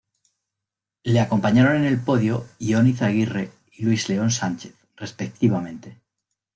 Le acompañaron en el podio Ion Izagirre y Luis León Sánchez, respectivamente.